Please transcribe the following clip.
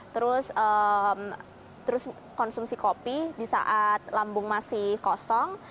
terus konsumsi kopi di saat lambung masih kosong